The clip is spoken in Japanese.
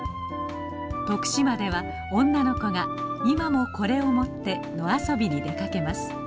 徳島では女の子が今もこれを持って野遊びに出かけます。